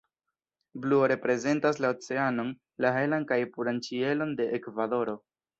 Bluo reprezentas la oceanon, la helan kaj puran ĉielon de Ekvadoro.